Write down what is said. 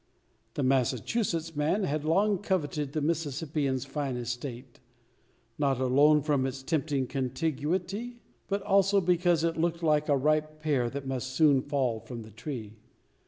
The Massachusetts man had long coveted the Mississippian's fine estate; not alone from its tempting contiguity, but also because it looked like a ripe pear that must soon fall from the tree.